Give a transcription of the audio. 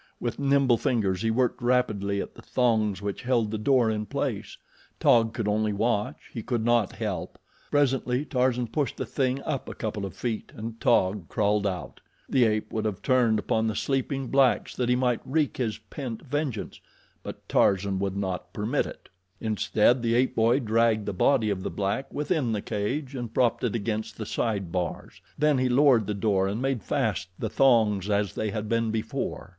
With nimble fingers he worked rapidly at the thongs which held the door in place. Taug could only watch he could not help. Presently Tarzan pushed the thing up a couple of feet and Taug crawled out. The ape would have turned upon the sleeping blacks that he might wreak his pent vengeance; but Tarzan would not permit it. Instead, the ape boy dragged the body of the black within the cage and propped it against the side bars. Then he lowered the door and made fast the thongs as they had been before.